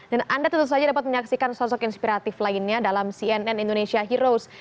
dan anda tentu saja dapat menyaksikan sosok inspiratif lainnya dalam cnn indonesia heroes